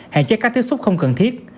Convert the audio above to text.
hạn chế các tiếp xúc không cần thiết